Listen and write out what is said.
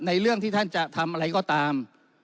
เรื่องที่ท่านจะทำอะไรก็ตาม